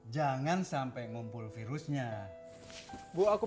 jangan sampai bawa pulang virusnya ya